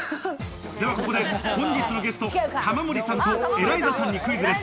では、ここで本日のゲスト、玉森さんとエライザさんにクイズです。